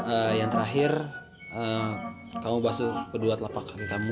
eh yang terakhir kamu basuh kedua telapak kaki kamu